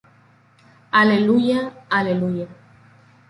Aleluya, Aleluya.